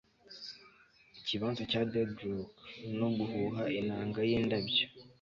ikibanza cya deadrock no guhuha inanga yindabyo